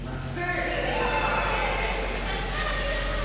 やったありがとう！